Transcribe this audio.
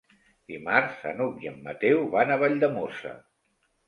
Dimarts n'Hug i en Mateu van a Valldemossa.